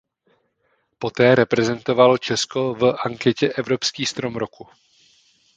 Poté reprezentoval Česko v anketě Evropský strom roku.